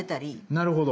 なるほど。